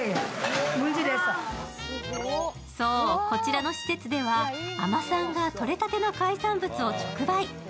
そう、こちらの施設では海女さんが取れたての海産物を直売。